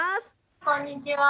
こんにちは。